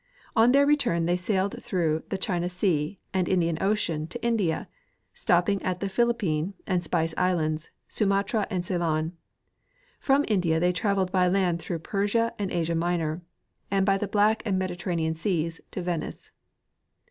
On their return they sailed through the China sea and Indian ocean to India, stojjping at the Philippine and Spice islands, Sumatra and Ceylon ; from India they traveled 1)}^ land through Persia and Asia Minor, and by the Black and Mediterranean seas to Venice.